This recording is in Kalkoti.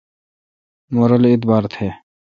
مہ رل اعبار تھ۔